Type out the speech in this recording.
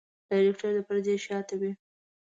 ډايرکټر د پردې شاته وي.